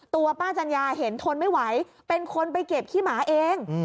ตัวป้าจัญญาเห็นทนไม่ไหวเป็นคนไปเก็บขี้หมาเอง